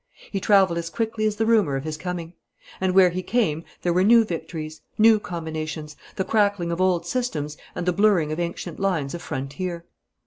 He travelled as quickly as the rumour of his coming; and where he came there were new victories, new combinations, the crackling of old systems and the blurring of ancient lines of frontier.